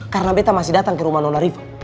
karena beta masih datang ke rumah nona riva